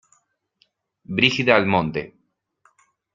Brígida Almonte.